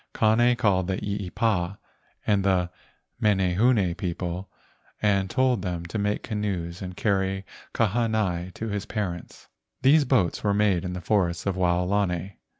Kane called the eepa and the menehune people and told them to make canoes to carry Kahanai to his parents. These boats were made in the forests of Wao¬ lani.